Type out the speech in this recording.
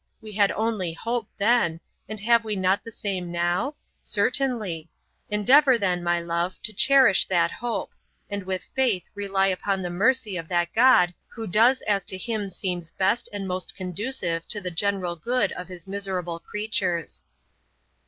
we had only hope then; and have we not the same now? certainly. Endeavour then, my love, to cherish that hope, and with faith rely upon the mercy of that God who does as to Him seems best and most conducive to the general good of His miserable creatures.